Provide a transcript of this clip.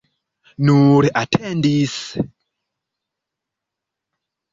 Nur atendis.